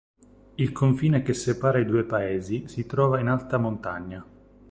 Il confine che separa i due paesi si trova in alta montagna.